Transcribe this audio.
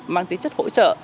mang tính chất hỗ trợ